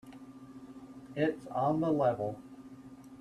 It's on the level.